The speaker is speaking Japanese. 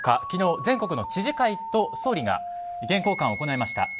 昨日、全国の知事会と総理が意見交換を行いました。